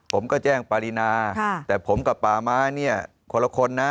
ผมก็แจ้งปารีนาแต่ผมกับป่าไม้เนี่ยคนละคนนะ